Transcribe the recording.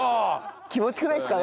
気持ち良くないですか？